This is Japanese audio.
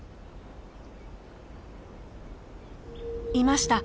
いました。